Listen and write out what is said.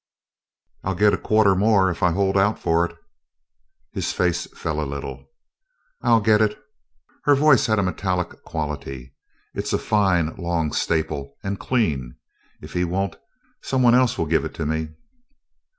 "I'll get a quarter more, if I hold out for it." His face fell a little. "I'll get it!" Her voice had a metallic quality. "It's a fine long staple, and clean. If he won't, some one else will give it to me."